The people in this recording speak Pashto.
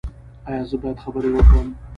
ایا زه باید خبرې وکړم؟